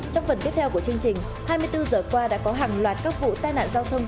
trong phần tiếp theo của chương trình hai mươi bốn giờ qua đã có hàng loạt các vụ tai nạn giao thông